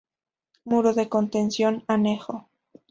Muro de contención anejo.